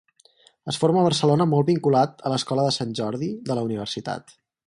Es forma a Barcelona molt vinculat a l'escola de Sant Jordi de la Universitat.